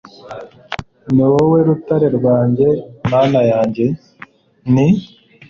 ni wowe rutare rwanjye (mana yanjye) ni